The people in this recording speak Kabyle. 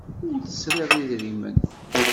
Ur tesriḍ idrimen.